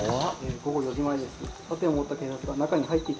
午後４時前です。